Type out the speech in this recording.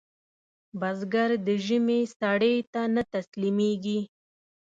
بزګر د ژمي سړې ته نه تسلېږي